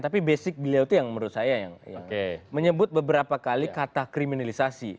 tapi basic beliau itu yang menurut saya yang menyebut beberapa kali kata kriminalisasi